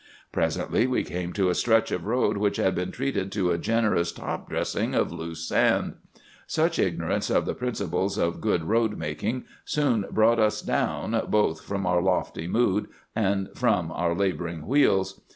"Presently we came to a stretch of road which had been treated to a generous top dressing of loose sand. Such ignorance of the principles of good road making soon brought us down both from our lofty mood and from our laboring wheels.